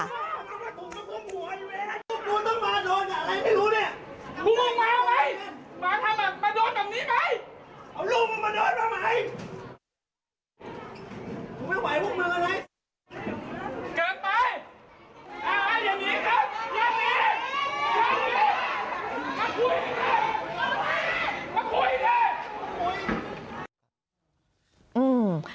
มันก็คุยเค้ะกระตู๊ย